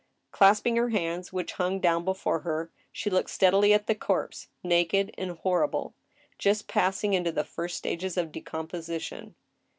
Clasping her hands, which hung down before her, she looked steadily at the corpse, naked and horrible, just passing into the first stages of decomposition.